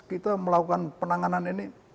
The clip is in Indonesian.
kita melakukan penanganan ini